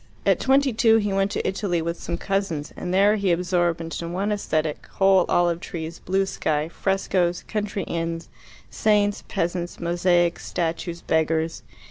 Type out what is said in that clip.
At twenty two he went to Italy with some cousins, and there he absorbed into one aesthetic whole olive trees, blue sky, frescoes, country inns, saints, peasants, mosaics, statues, beggars.